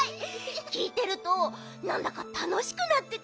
きいてるとなんだかたのしくなってくるね。